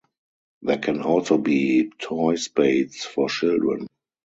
There can also be toy spades for children.